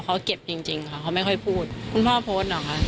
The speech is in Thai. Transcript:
เขาเก็บจริงจริงค่ะเขาไม่ค่อยพูดคุณพ่อโพสต์เหรอคะ